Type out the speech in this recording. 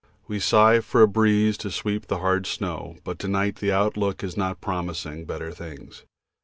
We sigh for a breeze to sweep the hard snow, but to night the outlook is not promising better things.